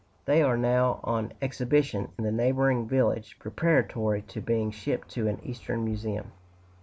They are now on exhibition in the neighboring village, preparatory to being shipped to an Eastern museum.